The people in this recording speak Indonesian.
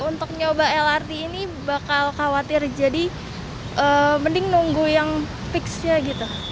untuk nyoba lrt ini bakal khawatir jadi mending nunggu yang fixnya gitu